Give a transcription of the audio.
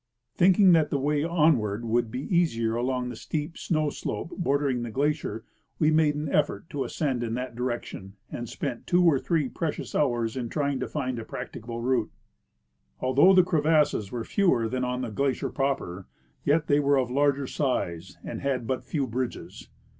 Thinking that the way onward would be easier along the steep snow slope bordering the glacier, we made an effort to ascend in that direction, and spent two or three precious hours in trying to find a practicable route. Although the crevasses were fewer than on the glacier proper, yet they were of larger size and had but few bridges.